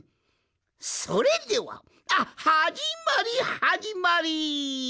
それではあっはじまりはじまり！